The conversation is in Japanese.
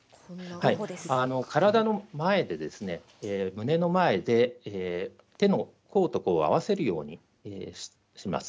胸の前で手の甲と甲を合わせるようにします。